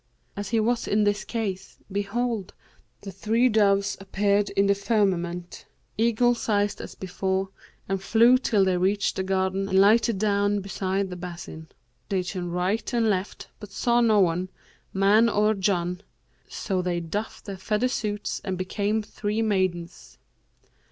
As he was in this case, behold, the three doves appeared in the firmament, eagle sized as before, and flew till they reached the garden and lighted down beside the basin. They turned right and left; but saw no one, man or Jann; so they doffed their feather suits and became three maidens.